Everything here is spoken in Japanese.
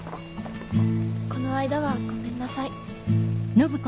この間はごめんなさい。